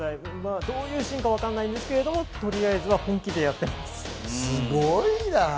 どういうシーンかわからないんですけれど、とりあえず本気でやっています。